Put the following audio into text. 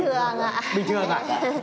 bình thường ạ